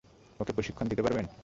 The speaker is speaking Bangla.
ওকে প্রশিক্ষণ দিতে পারবেন?